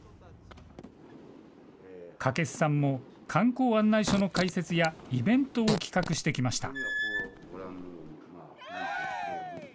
掛須さんも、観光案内所の開設やイベントを企画してきました。